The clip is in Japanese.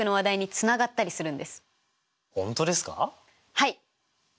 はい！